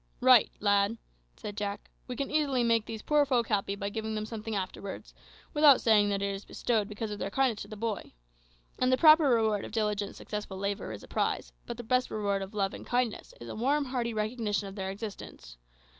"Right, lad," said Jack: "we can easily make these poor folk happy by giving them something afterwards, without saying that it is bestowed because of their kindness to the boy. The proper reward of diligent successful labour is a prize, but the best reward of love and kindness is a warm, hearty recognition of their existence.